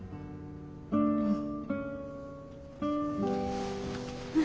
うん。